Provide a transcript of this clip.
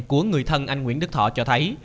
của người thân anh nguyễn đức thọ cho thấy